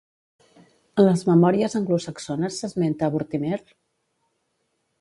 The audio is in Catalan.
En les memòries anglosaxones s'esmenta a Vortimer?